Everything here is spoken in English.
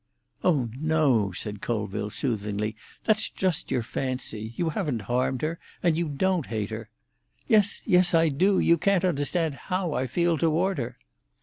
"Oh no," said Colville soothingly; "that's just your fancy. You haven't harmed her, and you don't hate her." "Yes, yes, I do! You can't understand how I feel toward her."